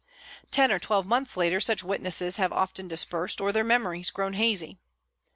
Ten or twelve months later such witnesses have often dispersed or their memories grown hazy.